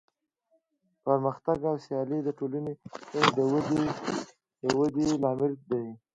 پرمختګ او سیالي د ټولنې د ودې لامل دی.